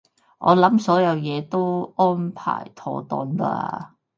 我諗所有嘢都安排妥當喇